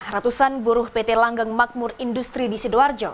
ratusan buruh pt langgeng makmur industri di sidoarjo